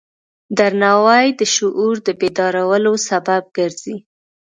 درناوی د شعور د بیدارولو سبب ګرځي.